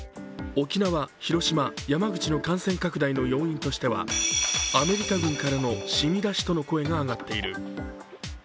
沖縄、広島、山口の感染拡大の要因としてはアメリカ軍からの染み出しとの声が上がっている。